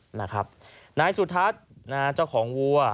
ไหนสุทภัทรเจ้าของวัว